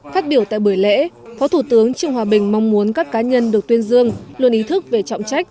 phát biểu tại buổi lễ phó thủ tướng trương hòa bình mong muốn các cá nhân được tuyên dương luôn ý thức về trọng trách